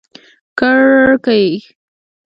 کړکۍ